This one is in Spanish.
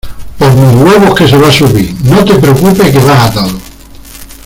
por mis huevos que se va a subir. no te preocupes que vas atado